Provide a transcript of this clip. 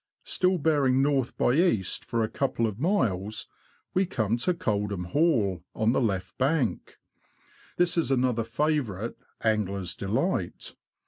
Still bearing north by east foi: a couple of miles, we come to Coldham Hall, on the left bank ; this is another favourite "angler's delight.''